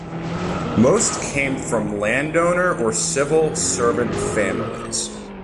Most came from landowner or civil servant families.